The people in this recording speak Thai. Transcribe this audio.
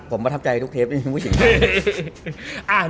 ผมประทับใจทุกเทปมีผู้หญิงมาก